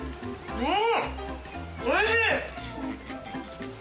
うん。